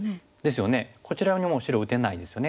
こちらにも白打てないですよね。